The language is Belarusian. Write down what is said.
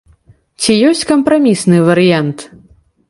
Ці ёсць кампрамісны варыянт?